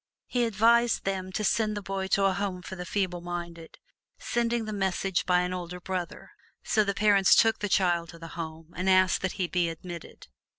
He advised them to send the boy to a Home for the Feeble Minded, sending the message by an older brother. So the parents took the child to the Home and asked that he be admitted.